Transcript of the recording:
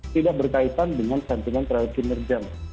tidak berkaitan dengan sentimen terhadap kinerja